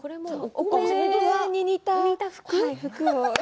お米に似た服を。